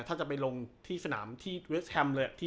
ถ้าจะไปลงที่สนามที่เวสแฮมเลย